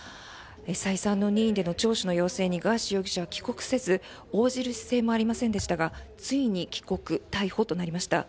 再三の任意での聴取の要請にガーシー容疑者は帰国せず応じる姿勢も見せませんでしたがついに帰国、逮捕となりました。